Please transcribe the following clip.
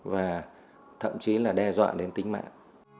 và thậm chí là đe dọa đến tính mạng